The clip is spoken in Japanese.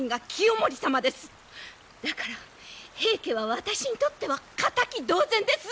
だから平家は私にとっては敵同然です！